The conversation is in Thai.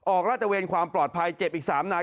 ออกราชเตอร์เวนความปลอดภัยเจ็บอีก๓นาย